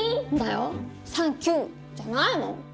「サンキュー」じゃないもん。